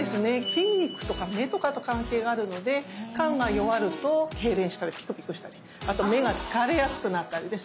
筋肉とか目とかと関係があるので肝が弱るとけいれんしたりピクピクしたりあと目が疲れやすくなったりですね